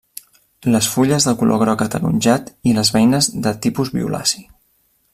Les fulles de color groc ataronjat i les beines de tipus violaci.